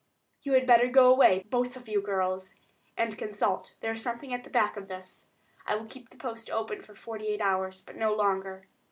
You had better go away, both of you girls, and consult—there is something at the back of this. I will keep the post open for forty eight hours, but no longer.